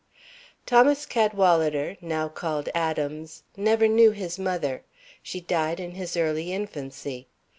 Thomas Cadwalader now called Adams never knew his mother; she died in his early infancy.